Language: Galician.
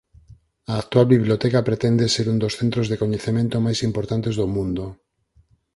A actual biblioteca pretende ser un dos centros de coñecemento máis importantes do mundo.